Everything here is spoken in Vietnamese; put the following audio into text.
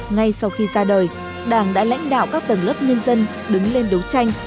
ngay sau khi ra đời đảng đã lãnh đạo các tầng lớp nhân dân đứng lên đấu tranh